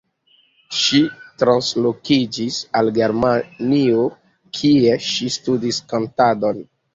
Ŝi translokiĝis al Germanio, kie ŝi studis kantadon.